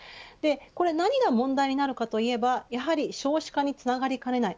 これ何が問題になるかといえばやはり少子化につながりかねない